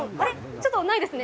ちょっとないですね。